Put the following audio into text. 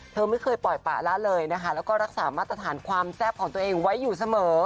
เธอไม่เคยปล่อยปะละเลยนะคะแล้วก็รักษามาตรฐานความแซ่บของตัวเองไว้อยู่เสมอ